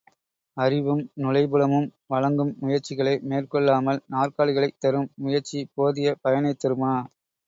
அறிவும் நுழைபுலமும் வழங்கும் முயற்சிகளை மேற்கொள்ளாமல் நாற்காலிகளைத் தரும் முயற்சி போதிய பயனைத்தருமா?